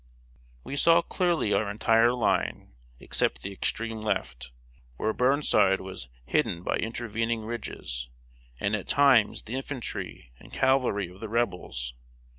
] We saw clearly our entire line, except the extreme left, where Burnside was hidden by intervening ridges; and at times the infantry and cavalry of the Rebels.